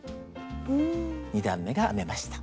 ２段めが編めました。